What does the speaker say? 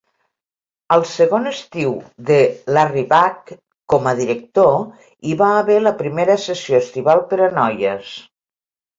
El segon estiu de Larry Bakke com a director hi va haver la primera sessió estival per a noies.